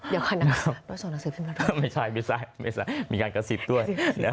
ไม่ใช่ไม่ใช่มีการกระสิบด้วย